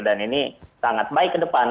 dan ini sangat baik ke depan